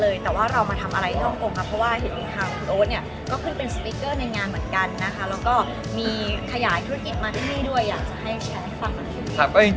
แล้วก็มีขยายธุรกิจมาที่นี่ด้วยอยากจะให้แชร์ให้ฟังกัน